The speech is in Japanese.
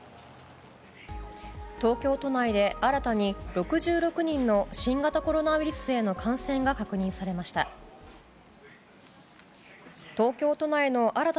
東京都内で、新たに６６人の新型コロナウイルスへの感染が確認されました。